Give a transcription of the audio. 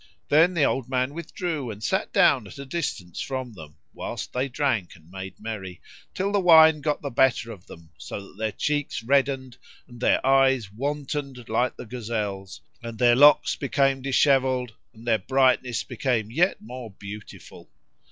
Then the old man withdrew and sat down at a distance from them, whilst they drank and made merry, till the wine got the better of them, so that their cheeks reddened and their eyes wantoned like the gazelle's; and their locks became dishevelled and their brightness became yet more beautiful.